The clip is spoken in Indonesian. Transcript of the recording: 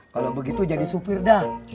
kalau begitu jadi supir dah